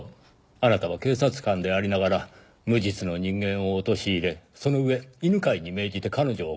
あなたは警察官でありながら無実の人間を陥れその上犬飼に命じて彼女を殺そうとした。